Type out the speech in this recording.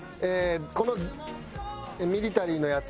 このミリタリーのやつ。